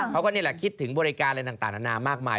เขาก็นี่แหละคิดถึงบริการอะไรต่างนานามากมาย